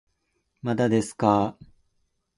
まだですかー